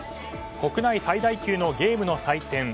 国内最大級のゲームの祭典